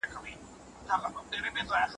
اړیکي به بې بنسټه نه وي.